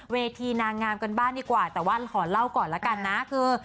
เวทีนางงามกันบ้างดีกว่าแต่ว่าขอเล่าก่อนแล้วกันนะคือ